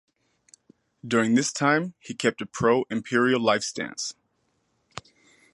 During this time he kept a pro-imperial life stance.